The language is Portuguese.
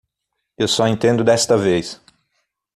Eu só entendo desta vez.